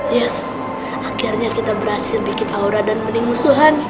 yes akhirnya kita berhasil bikin aura dan mending musuhan